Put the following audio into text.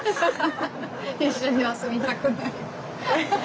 一緒には住みたくない。